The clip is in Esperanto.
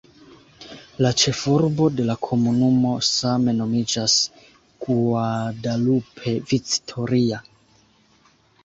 La ĉefurbo de la komunumo same nomiĝas "Guadalupe Victoria".